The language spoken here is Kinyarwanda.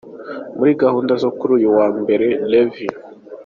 Muri gahunda zo kuri uyu wa mbere Rev.